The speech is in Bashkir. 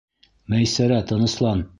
Мәйсәрә, тыныслан.